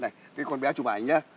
này cái con bé chụp ảnh nhá